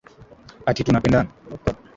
ati tunapendana